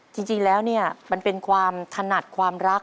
จริงแล้วเนี่ยมันเป็นความถนัดความรัก